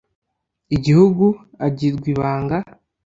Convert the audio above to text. igihugu agirwa ibanga